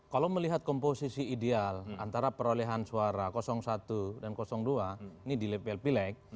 kalau melihat komposisi ideal antara perolehan suara satu dan dua ini dilepil pilek